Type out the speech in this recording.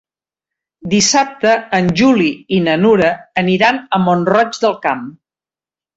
Dissabte en Juli i na Nura aniran a Mont-roig del Camp.